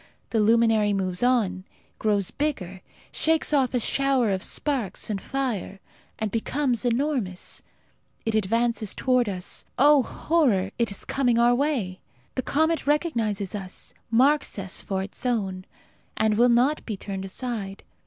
The luminary moves on, grows bigger, shakes off a shower of sparks and fire, and becomes enormous. It advances towards us. Oh, horror, it is coming our way! The comet recognizes us, marks us for its own, and will not be turned aside.